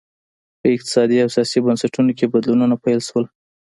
په اقتصادي او سیاسي بنسټونو کې بدلونونه پیل شول